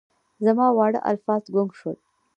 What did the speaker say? زما واړه الفاظ ګونګ شول